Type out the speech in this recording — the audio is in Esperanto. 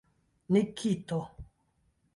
Nikito!